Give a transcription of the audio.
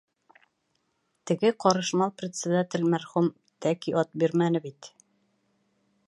Теге ҡарышмал председатель, мәрхүм, тәки ат бирмәне бит.